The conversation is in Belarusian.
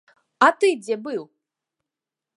А ты дзе быў?!